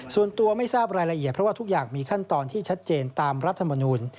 ส่วนตัวไม่ทราบรายละเอียดเพราะว่าทุกอย่างมีขั้นตอนที่ชัดเจนตามรัฐมนูล